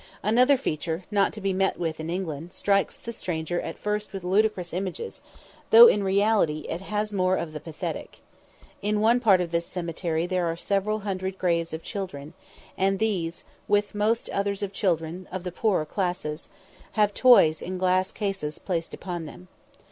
Another feature, not to be met with in England, strikes the stranger at first with ludicrous images, though in reality it has more of the pathetic. In one part of this cemetery there are several hundred graves of children, and these, with most others of children of the poorer class, have toys in glass cases placed upon them.